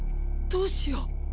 どうしよう。